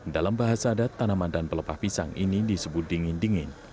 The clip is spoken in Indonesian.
dalam bahasa adat tanaman dan pelepah pisang ini disebut dingin dingin